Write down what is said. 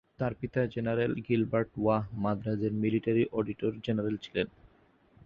তার পিতা General Gilbert Waugh মাদ্রাজের মিলিটারি অডিটর-জেনারেল ছিলেন।